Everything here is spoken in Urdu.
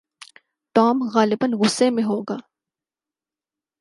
ٹام غالباً غصے میں ہوگا۔